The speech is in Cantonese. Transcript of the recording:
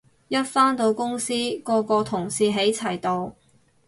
一返到公司個個同事喺齊度